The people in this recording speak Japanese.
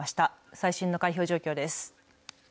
最新の開票状況です。